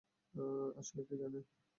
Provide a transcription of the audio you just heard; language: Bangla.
আসলে, কী জানেন!